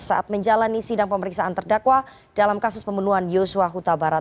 saat menjalani sidang pemeriksaan terdakwa dalam kasus pembunuhan yosua huta barat